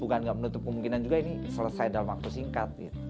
bukan nggak menutup kemungkinan juga ini selesai dalam waktu singkat